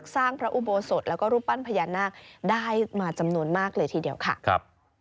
สร้างพระอุโบสถแล้วก็รูปปั้นพญานาคได้มาจำนวนมากเลยทีเดียวค่ะครับ